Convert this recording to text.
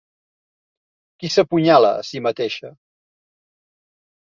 Qui s'apunyala a si mateixa?